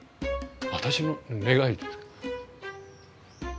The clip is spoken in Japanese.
私の願いですか。